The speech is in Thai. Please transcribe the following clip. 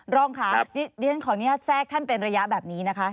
รองค่ะเรียนขออนุญาตแทรกท่านเป็นระยะแบบนี้นะคะ